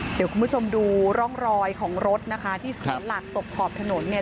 เดี๋ยวคุณผู้ชมดูร่องรอยของรถนะคะที่เสียหลักตกขอบถนนเนี่ย